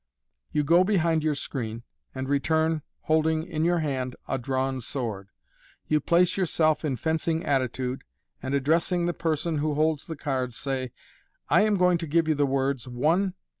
You go be hind your screen, and return, holding in your hand a drawn sword. You place yourself in fencing attitude, and, addressing the person who holds the cards, say, " I am going to give you the words, one